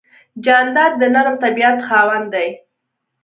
جانداد د نرم طبیعت خاوند دی.